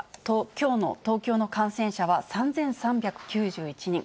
きょうの東京の感染者は、３３９１人。